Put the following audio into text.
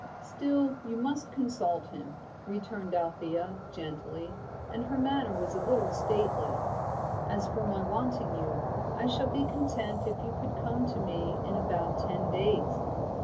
"Still you must consult him," returned Althea, gently, and her manner was a little stately. "As for my wanting you, I shall be content if you could come to me in about ten days.